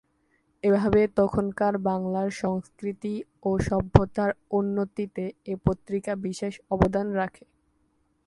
এভাবে তখনকার বাংলার সংস্কৃতি ও সভ্যতার উন্নতিতে এ পত্রিকা বিশেষ অবদান রাখে।